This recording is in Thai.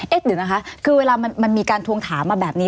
เดี๋ยวนะคะคือเวลามันมีการทวงถามมาแบบนี้